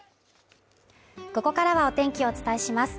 ここからはお天気をお伝えします。